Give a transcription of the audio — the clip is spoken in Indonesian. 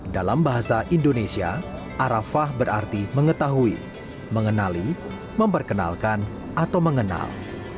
dalam bahasa indonesia arafah berarti mengetahui mengenali memperkenalkan atau mengenal